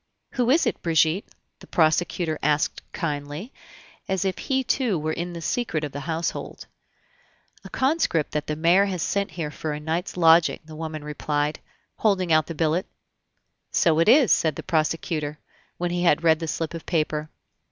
"Who is it, Brigitte?" the prosecutor asked kindly, as if he too were in the secret of the household. "A conscript that the mayor has sent here for a night's lodging," the woman replied, holding out the billet. "So it is," said the prosecutor, when he had read the slip of paper.